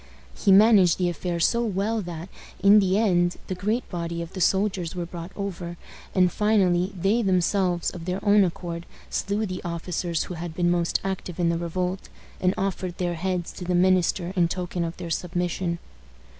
He managed the affair so well that, in the end, the great body of the soldiers were brought over, and, finally, they themselves, of their own accord, slew the officers who had been most active in the revolt, and offered their heads to the minister in token of their submission.